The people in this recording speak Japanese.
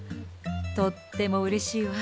とってもうれしいわ。